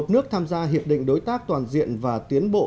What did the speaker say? một mươi một nước tham gia hiệp định đối tác toàn diện và tiến bộ